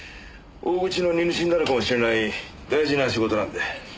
大口の荷主になるかもしれない大事な仕事なんで。